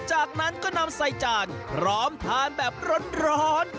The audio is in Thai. จากนั้นก็นำใส่จานพร้อมทานแบบร้อน